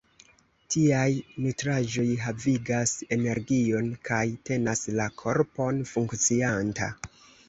Tiaj nutraĵoj havigas energion kaj tenas la korpon funkcianta.